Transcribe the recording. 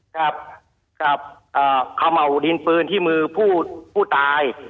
กับคำเอาดินปืนที่มือผู้ตาย